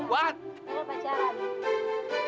mereka udah pacaran